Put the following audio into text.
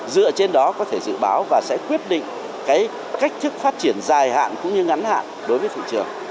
dựa trên đó có thể dự báo và sẽ quyết định cách thức phát triển dài hạn cũng như ngắn hạn đối với thị trường